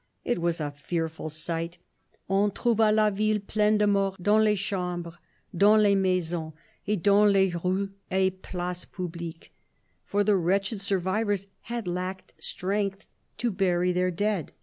It was a fearful sight. " On trouva la ville pleine de morts, dans les chambres, dans les maisons, et dans les rues et places publiques ;" for the wretched survivors had lacked strength to bury their dead.